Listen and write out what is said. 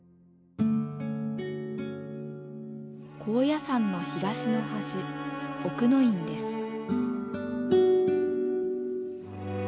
高野山の東の端奥の院です。